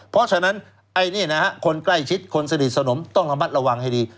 เพราะฉะนั้นคนใกล้ชิดคนสนิทสนมต้องระมัดระวังให้ดี